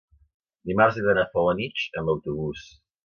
Dimarts he d'anar a Felanitx amb autobús.